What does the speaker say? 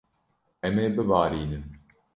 Em ê bibarînin.